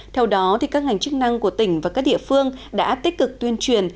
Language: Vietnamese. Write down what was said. theo đó các ngành chức năng của tỉnh và các địa phương đã tích cực tuyên truyền